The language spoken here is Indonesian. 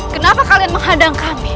kenapa kalian menghadang kami